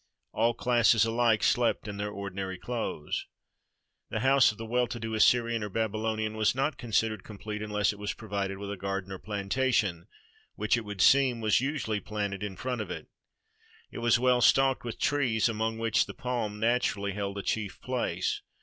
All classes alike slept in their ordinary clothes. The house of the well to do Assyrian or Babylonian was not considered complete unless it was provided with a garden or plantation, which, it would seem, was usually planted in front of it. It was well stocked with trees, among which the palm naturally held a chief place.